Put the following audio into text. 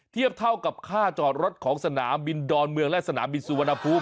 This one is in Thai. เทียบเท่ากับค่าจอดรถของสนามบินดอนเมืองและสนามบินสุวรรณภูมิ